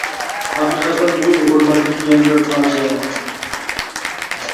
ھەقىقەتەن بۇ ئۇيغۇرلاردىكى يەنە بىر پاجىئە!